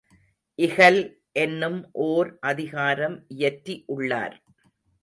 இகல் என்னும் ஒர் அதிகாரம் இயற்றி உள்ளார்.